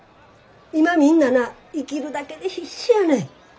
今みんなな生きるだけで必死やねん。